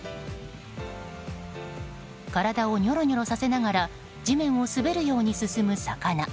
体をニョロニョロさせながら地面を滑るように進む魚。